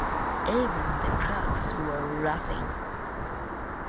Even the clerks were laughing.